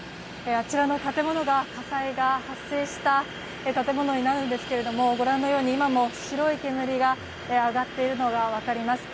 あちらの建物が火災が発生した建物になるんですけれどもご覧のように今も白い煙が上がっているのが分かります。